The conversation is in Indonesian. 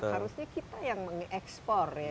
harusnya kita yang mengekspor ya